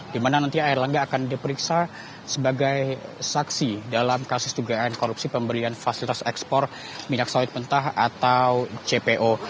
dimana nanti erlangga akan diperiksa sebagai saksi dalam kasus tugas korupsi pemberian fasilitas ekspor minyak sawit mentah atau cpo